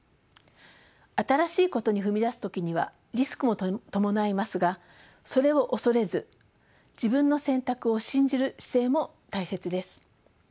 新しいことに踏み出す時にはリスクも伴いますがそれを恐れず自分の選択を信じる姿勢も大切です。